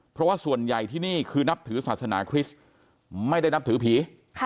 เพราะว่าส่วนใหญ่ที่นี่คือนับถือศาสนาคริสต์ไม่ได้นับถือผี